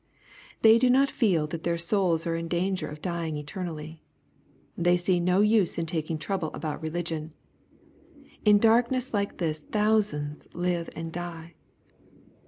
They do not feel that their souls are in danger of dying eternally. They see no use in taking trouble about religion. In darkness like this thousands live and die.